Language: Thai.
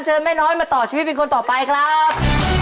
แม่น้อยมาต่อชีวิตเป็นคนต่อไปครับ